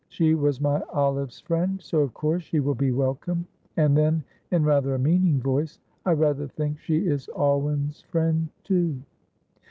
She was my Olive's friend, so of course she will be welcome," and then, in rather a meaning voice, "I rather think she is Alwyn's friend too."